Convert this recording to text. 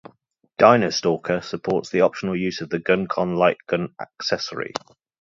"Dino Stalker" supports the optional use of the GunCon light gun accessory.